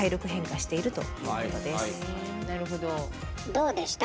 どうでした？